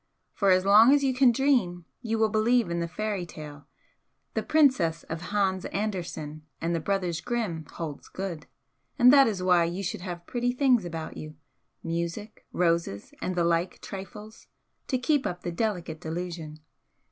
For as long as you can dream you will believe in the fairy tale; the 'princess' of Hans Andersen and the Brothers Grimm holds good and that is why you should have pretty things about you, music, roses and the like trifles, to keep up the delicate delusion."